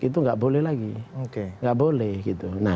itu tidak boleh lagi